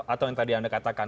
atau yang tadi anda katakan